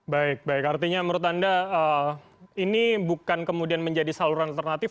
baik baik artinya menurut anda ini bukan kemudian menjadi saluran alternatif